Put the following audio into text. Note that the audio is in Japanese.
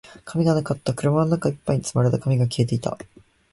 紙がなかった。車の中一杯に積まれた紙が消えていた。